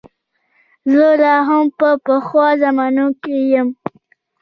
زه لا هم په پخوا زمانو کې یم.